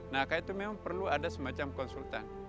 nah karena itu memang perlu ada semacam konsultan